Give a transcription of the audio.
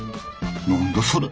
何だそれ。